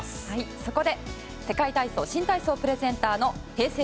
そこで世界体操・新体操プレゼンターのＨｅｙ！